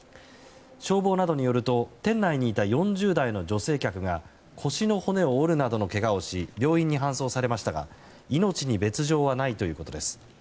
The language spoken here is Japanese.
消防などによると店内にいた４０代の女性客が腰の骨を折るなどのけがをし病院に搬送されましたが命に別条はないということです。